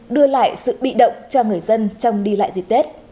đưa lại sự bị động cho người dân trong đi lại dịp tết